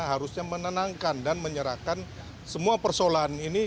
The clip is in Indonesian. harusnya menenangkan dan menyerahkan semua persoalan ini